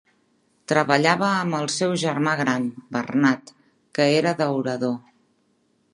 Treballava amb el seu germà gran, Bernat, que era daurador.